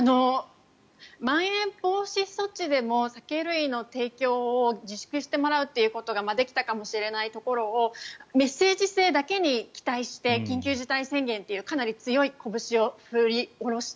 まん延防止措置でも酒類の提供を自粛してもらうということができたかもしれないところをメッセージ性だけに期待して緊急事態宣言というかなり強いこぶしを振り下ろした。